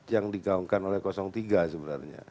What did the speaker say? yang digaungkan oleh tiga